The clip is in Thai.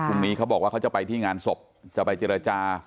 เขาบอกว่าเขาจะไปที่งานศพจะไปเจรจา